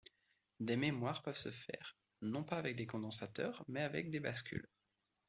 Des mémoires peuvent se faire, non pas avec des condensateurs, mais avec des bascules.